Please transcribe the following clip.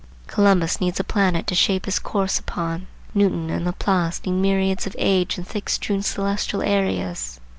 Columbus needs a planet to shape his course upon. Newton and Laplace need myriads of age and thick strewn celestial areas.